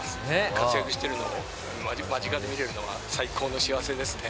活躍しているのを間近で見れるのは、最高の幸せですね。